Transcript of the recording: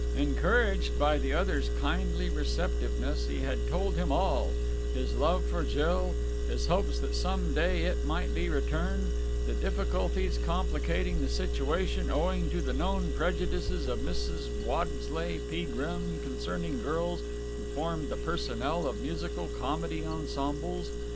Encouraged by the other's kindly receptiveness, he had told him all his love for Jill, his hopes that some day it might be returned, the difficulties complicating the situation owing to the known prejudices of Mrs. Waddesleigh Peagrim concerning girls who formed the personnel of musical comedy ensembles.